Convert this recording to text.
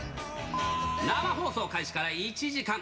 生放送開始から１時間。